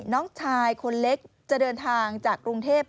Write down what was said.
น้องชายคนเล็กจะเดินทางจากกรุงเทพ